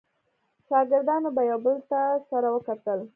شاګردانو به یو بل ته سره وکتل.